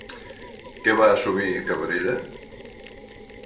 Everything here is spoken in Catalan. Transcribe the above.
Què va assumir Cabrera?